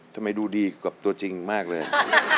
ทำไมดูดีกว่าตัวจริงมากเลย